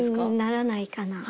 ならないかな。